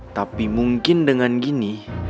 tapi mungkin dengan gini